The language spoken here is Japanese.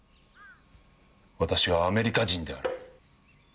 私はアメリカ人である。